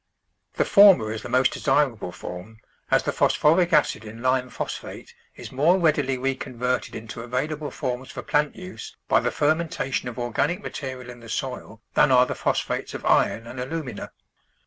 The former is the most desir able form, as the phosphoric acid in lime phos phate is more readily reconverted into available forms for plant use by the fermentation of organic material in the soil than are the phosphates of iron and alumina.